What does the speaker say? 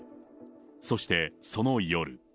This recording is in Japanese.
そして、その夜。